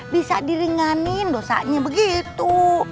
bisa diringanin dosanya begitu